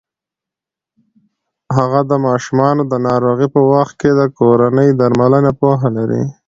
هغه د ماشومانو د ناروغۍ په وخت کې د کورني درملنې پوهه لري.